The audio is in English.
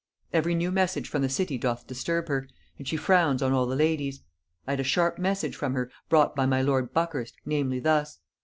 Every new message from the city doth disturb her, and she frowns on all the ladies. I had a sharp message from her, brought by my lord Buckhurst, namely thus.